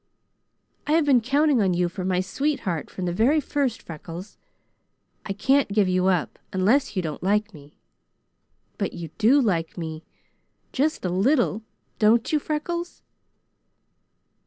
I have been counting on you for my sweetheart from the very first, Freckles. I can't give you up, unless you don't like me. But you do like me just a little don't you, Freckles?"